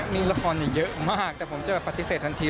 มีละครเยอะมากแต่ผมจะปฏิเสธทันที